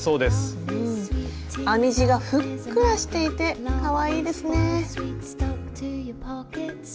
編み地がふっくらしていてかわいいですね。